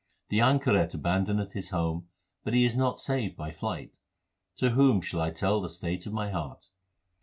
The anchoret abandoneth his home, but he is not saved by flight. To whom shall I tell the state of my heart